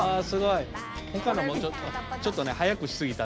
他のもちょっと早くしすぎた。